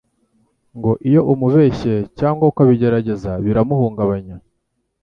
Ngo iyo umubeshye cyangwa ukabigerageza biramuhungabanya